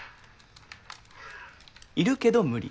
いるけど無理？